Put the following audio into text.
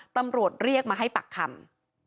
ตำรวจเรียกมาให้ปากคำ